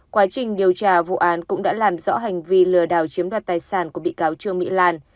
quá trình điều tra vụ án cũng đã làm rõ hành vi lừa đảo chiếm đoạt tài sản của bị cáo trương mỹ lan